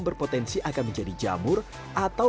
berpotensi akan menjadi jamur atau